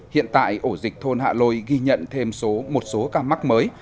hiện tại ổ dịch thôn hạ lôi ghi nhận thêm một số ca mắc mới